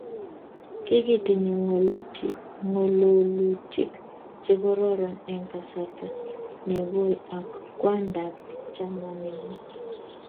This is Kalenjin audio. kikitinye ng'ololutik che kororon eng kasarta nekooi ak kwandab chamanenyu